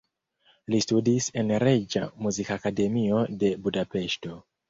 Li studis en Reĝa Muzikakademio de Budapeŝto.